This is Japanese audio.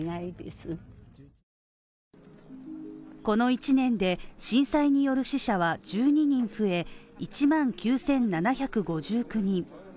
この１年で、震災による死者は１２人増え１万９７５９人。